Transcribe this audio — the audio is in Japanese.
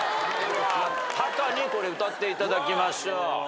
タカに歌っていただきましょう。